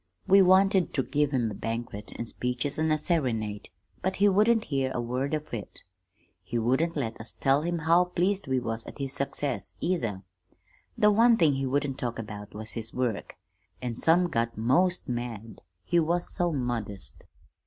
We wanted ter give him a banquet an' speeches and a serenade, but he wouldn't hear a word of it. He wouldn't let us tell him how pleased we was at his success, either. The one thing he wouldn't talk about was his work, an' some got most mad, he was so modest.